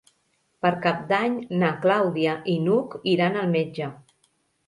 Per Cap d'Any na Clàudia i n'Hug iran al metge.